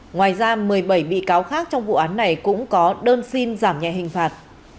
ngoài ra một mươi bảy bị cáo khác trong vụ án này cũng có đơn xin giảm nhẹ hình phạt